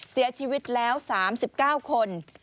เสียชีวิตแล้ว๓๙คน